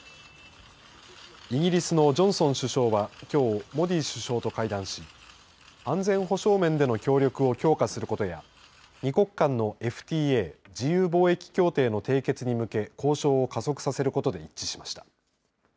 イギリスのジョンソン首相は、きょうモディ首相と会談し安全保障面での協力を強化することや２国間のＦＴＡ自由貿易協定の締結に向けて交渉を加速させることで一致しました。